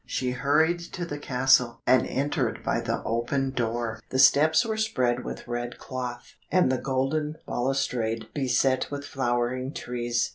She hurried to the castle, and entered by the open door. The steps were spread with red cloth, and the golden balustrade beset with flowering trees.